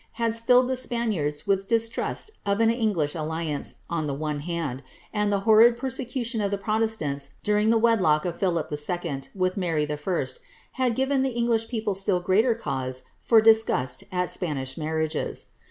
had filled the Spaniards with distrust of an English alliance, on the one hand, and the horrid persecution of the protestants during the wedlock of Philip II. with Mary I., had given the English people still greater cause for disgust at Spanish marriages.